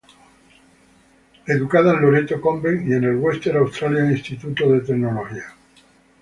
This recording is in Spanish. Fue educada en Loreto Convent y en el Western Australian Institute of Technology.